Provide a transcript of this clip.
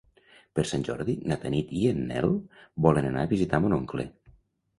Per Sant Jordi na Tanit i en Nel volen anar a visitar mon oncle.